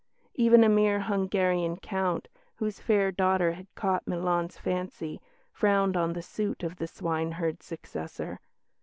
Even a mere Hungarian Count, whose fair daughter had caught Milan's fancy, frowned on the suit of the swineherd's successor.